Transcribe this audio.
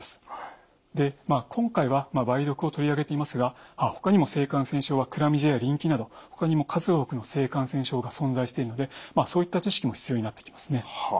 今回は梅毒を取り上げていますがほかにも性感染症はクラミジアや淋菌などほかにも数多くの性感染症が存在しているのでそういった知識も必要になってきますね。